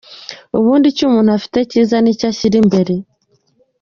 Ubundi icyo umuntu afite cyiza nicyo ashyira imbere.